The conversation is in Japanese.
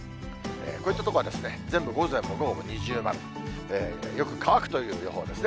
こういった所は、全部、午前も午後も二重丸、よく乾くという予報ですね。